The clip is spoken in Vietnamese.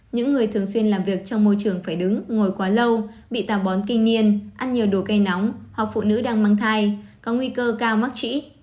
những người thường xuyên làm việc trong môi trường phải đứng ngồi quá lâu bị tà bón kinh nhiên ăn nhiều đồ cây nóng hoặc phụ nữ đang mang thai có nguy cơ cao mắc trĩ